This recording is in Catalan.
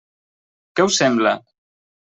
Què us sembla?